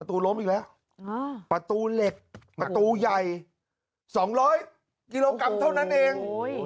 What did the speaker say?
ตัวล้มอีกแล้วประตูเหล็กประตูใหญ่๒๐๐กิโลกรัมเท่านั้นเอง